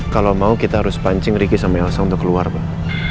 kalau mau kita harus pancing ricky sama elsa untuk keluar pak